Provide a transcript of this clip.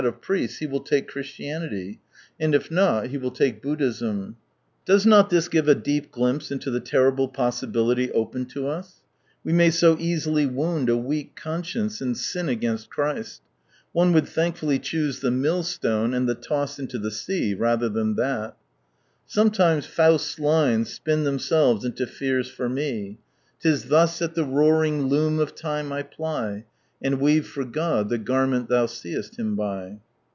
of firieits, ht will take Christianity, and if not he will take Buddhism." Does not •^((( It will be a Seed" 149 this give a deep glimpse into the terrible possibility open to us ? We may so easily wound a weak conscience, and sin against Christ. One would thankfully choose the millstone, and the toss into the sea, rather than that. Sometimes Faust's lines spin themselves into fears for me —*Tis thus at the roaring loom of Time I ply, And weave for God the garment thou seest Him by.'